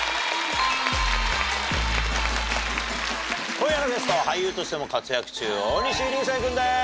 今夜のゲスト俳優としても活躍中大西流星君です。